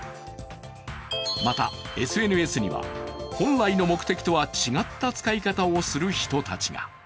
また、ＳＮＳには本来の目的とは違った使い方をする人たちが。